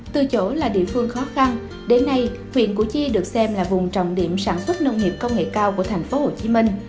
từ chỗ là địa phương khó khăn đến nay huyện củ chi được xem là vùng trọng điểm sản xuất nông nghiệp công nghệ cao của thành phố hồ chí minh